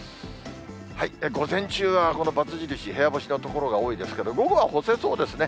午前中は、この×印、部屋干しの所が多いですけど、午後は干せそうですね。